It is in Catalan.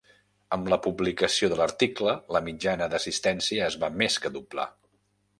Amb la publicació de l'article, la mitjana d'assistència es va més que doblar.